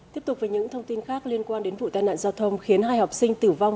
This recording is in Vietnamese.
tiếp tục với những thông tin khác liên quan đến vụ tai nạn giao thông khiến hai học sinh tử vong